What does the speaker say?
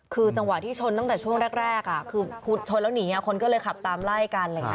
คือจังหวะที่ชนตั้งแต่ช่วงแรกคือชนแล้วหนีคนก็เลยขับตามไล่กันอะไรอย่างนี้